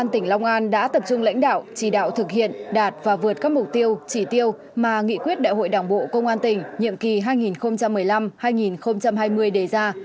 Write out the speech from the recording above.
đảng đã tập trung lãnh đạo chỉ đạo thực hiện đạt và vượt các mục tiêu chỉ tiêu mà nghị quyết đại hội đảng bộ công an tỉnh nhiệm kỳ hai nghìn một mươi năm hai nghìn hai mươi đề ra